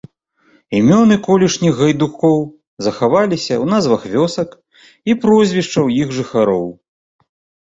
Імёны колішніх гайдукоў захаваліся ў назвах вёсак і прозвішчаў іх жыхароў.